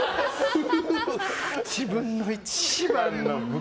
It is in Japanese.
自分の一番の。